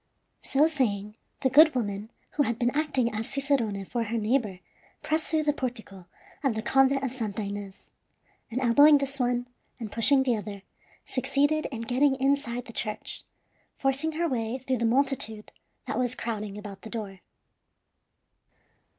So saying, the good woman who had been acting as cicerone for her neighbor pressed through the portico of the Convent of Santa Ines, and elbowing this one and pushing the other, succeeded in getting inside the church, forcing her way through the multitude that was crowding about the door.